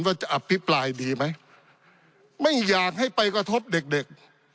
ว่าจะอภิปรายดีไหมไม่อยากให้ไปกระทบเด็กเด็ก